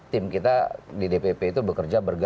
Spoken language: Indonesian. tim kita di dpp itu bekerja